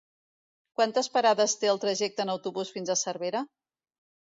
Quantes parades té el trajecte en autobús fins a Cervera?